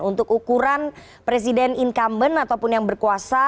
untuk ukuran presiden incumbent ataupun yang berkuasa